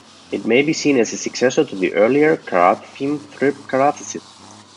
It may be seen as a successor to the earlier karate-themed strip, Karate Sid.